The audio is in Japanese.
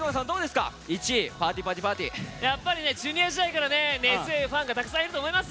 やっぱりねＪｒ．時代から根強いファンがたくさんいると思います